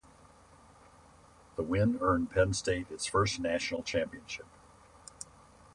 The win earned Penn State its first national championship.